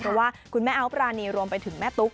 เพราะว่าคุณแม่เอาท์ปรานีรวมไปถึงแม่ตุ๊ก